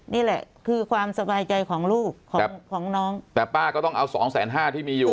นี่แหละคือความสบายใจของลูกของของน้องแต่ป้าก็ต้องเอาสองแสนห้าที่มีอยู่